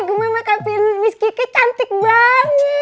gemoy makeup in miss gigi cantik banget